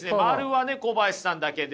○はね小林さんだけですね。